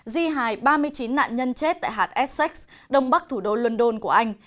di hài ba mươi chín nạn nhân chết tại hạt essex đông bắc thủ đô london của anh